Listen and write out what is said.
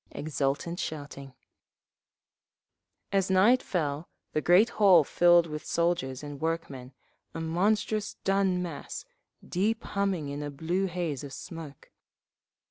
Exultant shouting…. As night fell the great hall filled with soldiers and workmen, a monstrous dun mass, deep humming in a blue haze of smoke.